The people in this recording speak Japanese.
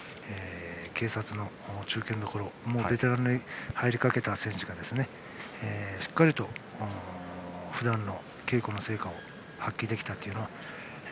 警察の中堅どころベテランに入りかけた選手がしっかりとふだんの稽古の成果を発揮できたというのは。